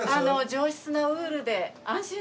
上質なウールで安心しました。